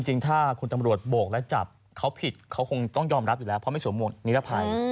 จริงถ้าคุณตำรวจโบกและจับเขาผิดเขาคงต้องยอมรับอยู่แล้วเพราะไม่สวมหวกนิรภัย